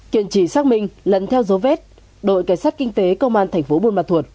kiện chỉ xác minh lẫn theo dấu vết đội cảnh sát kinh tế công an thành phố bùn mạc thuột